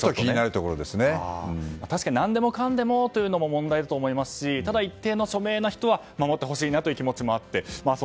確かに何でもかんでもというのも問題だと思いますしただ、一定の著名な人は守ってほしいなという気持ちもあって。